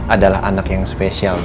adalah anak yang spesial